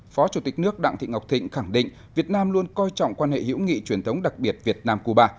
phó chủ tịch nước đặng thị ngọc thịnh khẳng định việt nam luôn coi trọng quan hệ hữu nghị truyền thống đặc biệt việt nam cuba